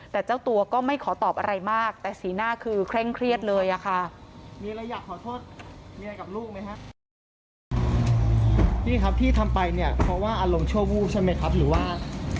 แต่เจ้าตัวก็ไม่ขอตอบอะไรมากแต่สีหน้าคือเคร่งเครียดเลยอะค่ะ